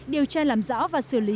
điều tra làm rõ và xử lý